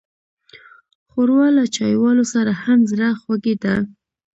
ښوروا له چايوالو سره هم زړهخوږې ده.